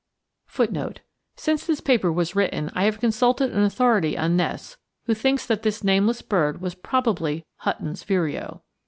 FOOTNOTE: Since this paper was written, I have consulted an authority on nests, who thinks that this nameless bird was probably Hutton's vireo.